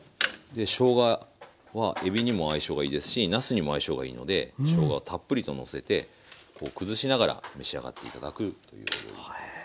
しょうがはえびにも相性がいいですしなすにも相性がいいのでしょうがをたっぷりとのせてこう崩しながら召し上がって頂くということで。